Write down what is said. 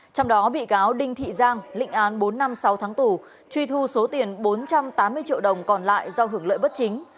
trong đó bị cáo đinh thị giang lịnh án bốn năm sáu tháng tù truy thu số tiền bốn trăm tám mươi triệu đồng còn lại do hưởng lợi bất chính